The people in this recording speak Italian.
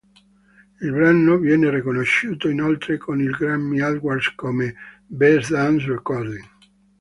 Il brano viene riconosciuto inoltre con il Grammy Awards come "Best Dance Recording".